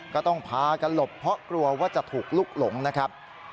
ก็ต้องพากันหลบเพราะกลัวว่าจะถูกลุกหลงนะครับ